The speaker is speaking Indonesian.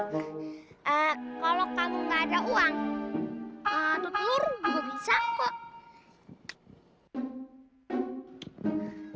kalau kamu gak ada uang tuh telur juga bisa kok